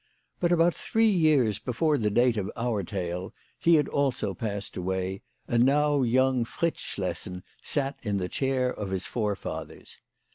But about three years before the date of our tale he also had passed away, and now young Fritz Schlessen sat in the chair of his forefathers.